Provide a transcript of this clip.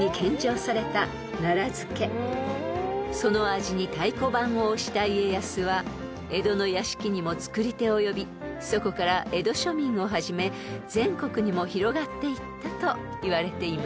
［その味に太鼓判を押した家康は江戸の屋敷にも作り手を呼びそこから江戸庶民をはじめ全国にも広がっていったといわれています］